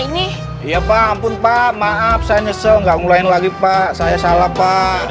ini iya pak ampun pak maaf saya ngesel nggak ngurangin lagi pak saya salah pak ya dimahaminoft